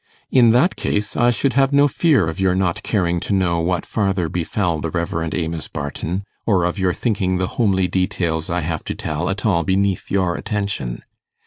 In that case, I should have no fear of your not caring to know what farther befell the Rev. Amos Barton, or of your thinking the homely details I have to tell at all beneath your attention.